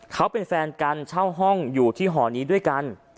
เขาเป็นแฟนกันเช่าห้องอยู่ที่หอนี้ด้วยกัน